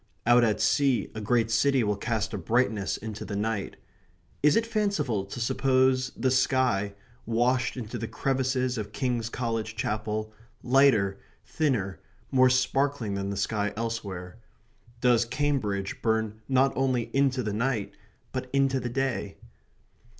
Out at sea a great city will cast a brightness into the night. Is it fanciful to suppose the sky, washed into the crevices of King's College Chapel, lighter, thinner, more sparkling than the sky elsewhere? Does Cambridge burn not only into the night, but into the day?